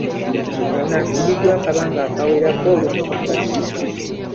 Ono asibiddwa akabanga akawerako olwensonga zino.